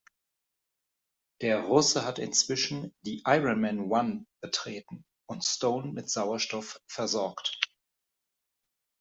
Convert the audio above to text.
Der Russe hat inzwischen die "Ironman One" betreten und Stone mit Sauerstoff versorgt.